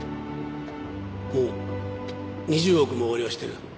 もう２０億も横領してる。